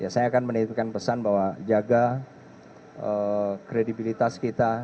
saya akan menitipkan pesan bahwa jaga kredibilitas kita